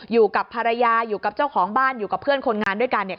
อยู่กับภรรยาอยู่กับเจ้าของบ้านอยู่กับเพื่อนคนงานด้วยกันเนี่ย